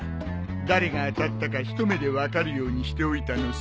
誰が当たったか一目で分かるようにしておいたのさ。